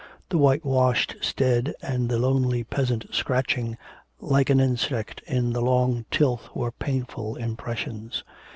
The whitewashed stead and the lonely peasant scratching like an insect in the long tilth were painful impressions.